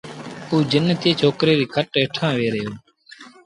اُ جن ٿئي ڇوڪريٚ ريٚ کٽ هيٺآݩ ويه رهيو